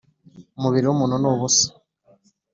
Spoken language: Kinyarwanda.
Umubiri w’umuntu ni ubusa,